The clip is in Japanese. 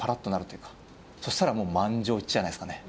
したらもう満場一致じゃないですかね